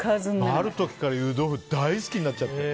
ある時から湯豆腐大好きになっちゃって。